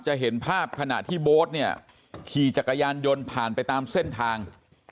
เห็นภาพขณะที่โบ๊ทเนี่ยขี่จักรยานยนต์ผ่านไปตามเส้นทาง